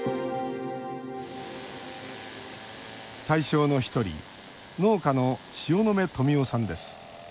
対象の１人、農家の塩野目富夫さんです。